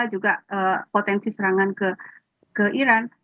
juga potensi serangan ke iran